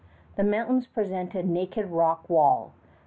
The mountains presented naked rock wall.